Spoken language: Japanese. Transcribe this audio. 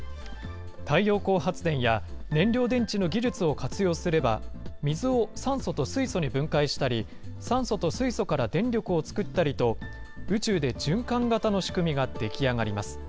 太陽光発電や燃料電池の技術を活用すれば、水を酸素と水素に分解したり、酸素と水素から電力を作ったりと、宇宙で循環型の仕組みが出来上がります。